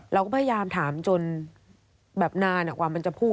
เราก็พยายามถามจนแบบนานกว่ามันจะพูด